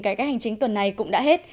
cái cách hành chính tuần này cũng đã hết